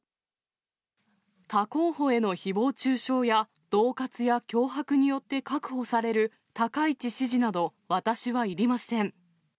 他候補へのひぼう中傷や、どう喝や脅迫によって確保される高市支持など、私はいりません。